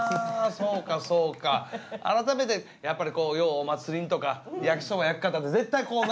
改めてやっぱりこうようお祭りとか焼きそば焼く方って絶対こうね。